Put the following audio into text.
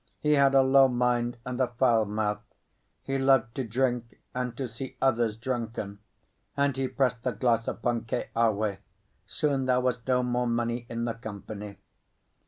He had a low mind and a foul mouth; he loved to drink and to see others drunken; and he pressed the glass upon Keawe. Soon there was no more money in the company.